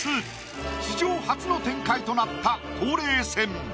史上初の展開となった冬麗戦。